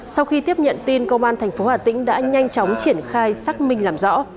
sau khi tiếp nhận tin công an tp hcm đã nhanh chóng triển khai xác minh làm rõ